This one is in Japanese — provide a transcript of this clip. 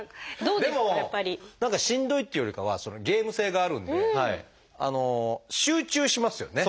でも何かしんどいっていうよりかはゲーム性があるんで集中しますよね。